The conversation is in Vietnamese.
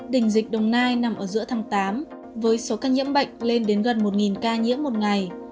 đỉnh dịch đồng nai nằm ở giữa tháng tám với số ca nhiễm bệnh lên đến gần một ca nhiễm một ngày